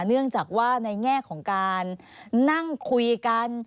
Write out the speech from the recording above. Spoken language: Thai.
เนื่องจากว่าในแง่ของการนั่งคุยกัน